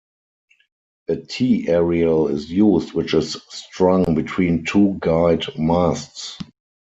A T-aerial is used, which is strung between two guyed masts.